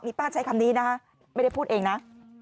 ป้าใช้คำนี้นะไม่ได้พูดเองนะ